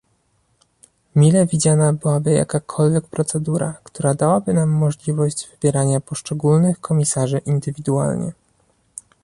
Mile widziana byłaby jakakolwiek procedura, która dałaby nam możliwość wybierania poszczególnych komisarzy indywidualnie